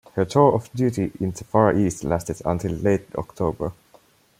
Her tour of duty in the Far East lasted until late October.